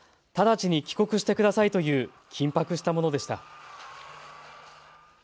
直ちに帰国してくださいという緊迫したものでした。